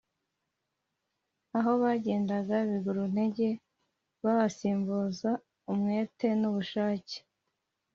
aho bagendaga biguru ntege bahasimbuza umwete n’ubushake